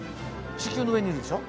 地球の上にいるでしょ？